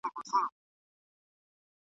مخالفت یې